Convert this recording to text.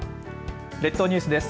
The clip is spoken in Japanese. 列島ニュースです。